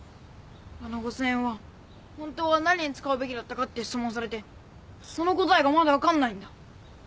あの５０００円は本当は何に使うべきだったかって質問されてその答えがまだ分かんないんだ。